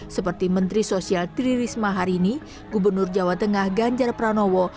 seperti menteri sosial tririsma harini gubernur jawa tengah ganjar pranowo